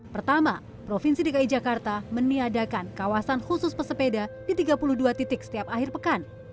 pertama provinsi dki jakarta meniadakan kawasan khusus pesepeda di tiga puluh dua titik setiap akhir pekan